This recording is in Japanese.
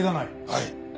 はい。